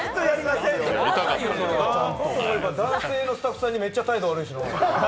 男性のスタッフさんにめっちゃ態度悪いしな。